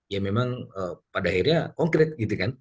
ya memang pada akhirnya konkret